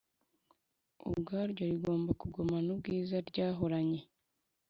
ubwaryo rigomba kugumana ubwiza ryahoranye